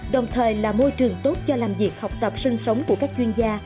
đồng thời là môi trường tốt cho làm việc học tập sinh sống của các chuyên gia